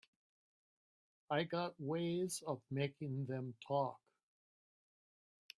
I got ways of making them talk.